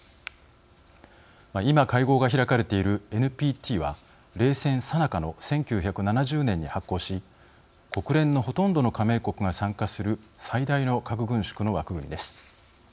今、会合が開かれているＮＰＴは冷戦さなかの１９７０年に発効し国連のほとんどの加盟国が参加する最大の核軍縮の枠組みです。